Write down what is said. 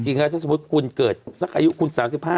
เลยจริงนะถ้าสมมุติคุณเกิดสักอายุคุณ๓๕๔๐